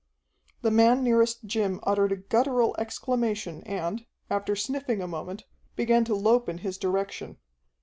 The man nearest Jim uttered a guttural exclamation and, after sniffing a moment, began to lope in his direction.